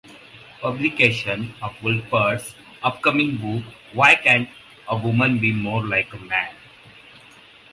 Publication of Wolpert's upcoming book, Why Can't a Woman Be More Like a Man?